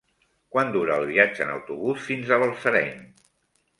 Quant dura el viatge en autobús fins a Balsareny?